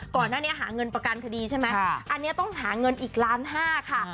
ก่อนหน้านี้หาเงินประกันคดีใช่ไหมอันนี้ต้องหาเงินอีกล้านห้าค่ะ